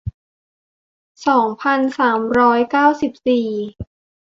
สองพันสามร้อยเก้าสิบสี่